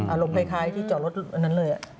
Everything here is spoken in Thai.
อารมณ์คล้ายที่จอดรถอันนั้นเลย